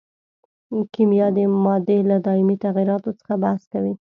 کیمیا د مادې له دایمي تغیراتو څخه بحث کوي.